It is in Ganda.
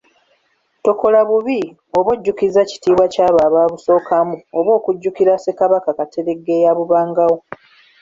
Tokola bubi, oba ojjukizza kitiibwa ky'abo ababusookamu, oba okujjukira Ssekabaka Kateregga eyabubangawo.